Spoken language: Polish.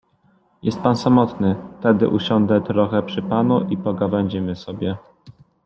— Jest pan samotny, tedy usiądę trochę przy panu i pogawędzimy sobie.